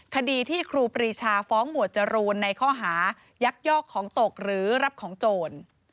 คดีที่ครูปรีชาฟ้องหมวดจรูนในข้อหายักยอกของตกหรือรับของโจร